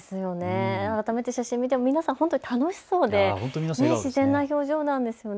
改めて写真を見ても皆さん本当に楽しそうで自然な表情なんですよね。